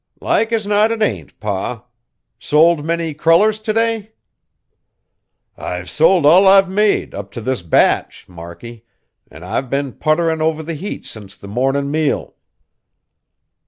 "Like as not it ain't, Pa. Sold many crullers t' day?" "I've sold all I've made, up t' this batch, Markie, an' I've been putterin' over the heat since the mornin' meal."